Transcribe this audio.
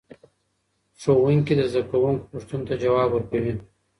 ښوونکي د زده کوونکو پوښتنو ته ځواب ورکوي.